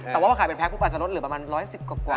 แต่ว่าพอขายเป็นแพงปุ๊บอาจจะลดเหลือประมาณ๑๑๐กว่า